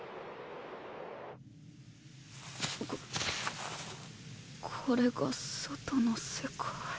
ここれが外の世界。